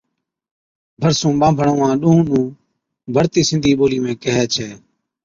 ڀرسُون ٻانڀڻ اُونھان ڏُونھُون نُون بَڙتِي سِنڌِي ٻولِي ۾ ڪيھي ڇَي